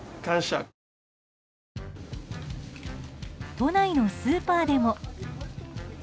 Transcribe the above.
都内のスーパーでも。